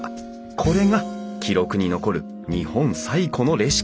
これが記録に残る日本最古のレシピとされる。